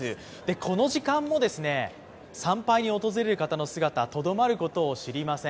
この時間も参拝に訪れる方の姿、とどまることを知りません。